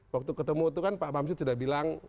waktu ketemu itu kan pak bamsud sudah bilang